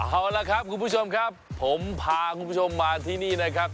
เอาละครับคุณผู้ชมครับผมพาคุณผู้ชมมาที่นี่นะครับ